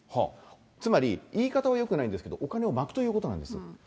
つまり、言い方はよくないんですけど、お金をまくということなんです。